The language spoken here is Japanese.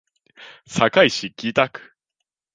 堺市北区